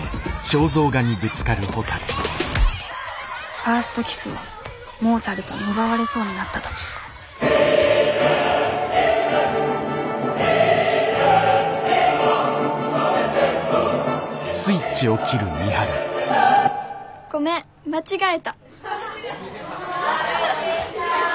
ファーストキスをモーツァルトに奪われそうになった時ごめん間違えた。